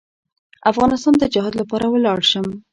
افغانستان ته جهاد لپاره ولاړ شم.